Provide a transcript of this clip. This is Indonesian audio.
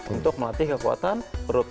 untuk melatih kekuatan perut